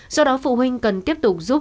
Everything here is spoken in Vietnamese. do đó phụ huynh cần tiếp tục giúp